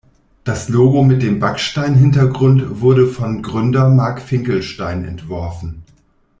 Das Logo mit dem Backstein-Hintergrund wurde von Gründer Mark Finkelstein entworfen.